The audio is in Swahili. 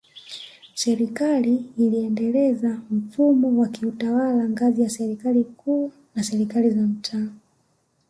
Serikali iliendeleza mfumo wa kiutawala ngazi ya Serikali Kuu na Serikali za Mitaa